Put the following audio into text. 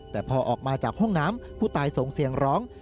แต่พอออกมาจากห้องน้ำผู้ตายส่งเสียงร้อง